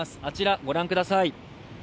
あちらご覧ください。